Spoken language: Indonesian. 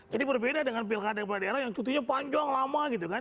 jadi berbeda dengan pil kandang kandang daerah yang cutinya panjang lama gitu kan